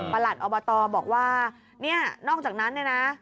หลัดอบตบอกว่าเนี่ยนอกจากนั้นเนี่ยนะ